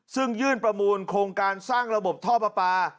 ซึ่งยื่นประมูลโครงการสร้างระบบท่อปลาปลา